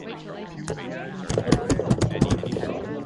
All songs written by Turnover and Will Yip.